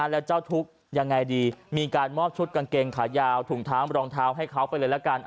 แล้วเจ้าทุกข์ยังไงดีมีการมอบชุดกางเกงขายาวถุงเท้ารองเท้าให้เขาไปเลยละกัน